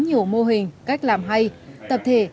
nhiều mô hình cách làm hay tập thể